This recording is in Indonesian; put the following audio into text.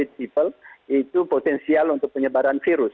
itu potensial untuk penyebaran virus